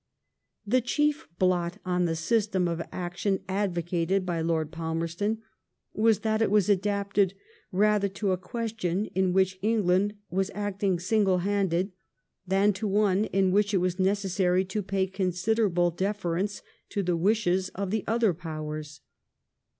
The chief blot on the system of action advocated by Lord Palmerston, was that it was adapted rather to a question in which England was acting single handed, than to one in which it was necessary to pay con siderable deference to the wishes of the other Powers.